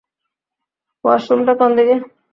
ওয়াশরুমটা কোন দিকে?